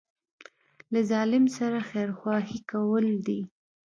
له ظالم سره خیرخواهي کول دي.